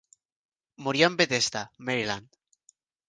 Murió en Bethesda, Maryland.